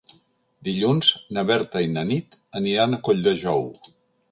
Dilluns na Berta i na Nit aniran a Colldejou.